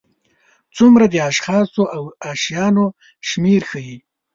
څومره د اشخاصو او شیانو شمېر ښيي.